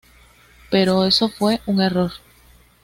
Pero eso fue un error.